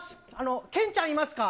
けんちゃんいますか？